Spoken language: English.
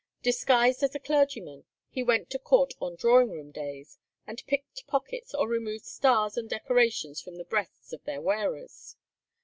Disguised as a clergyman, he went to court on drawing room days, and picked pockets or removed stars and decorations from the breasts of their wearers.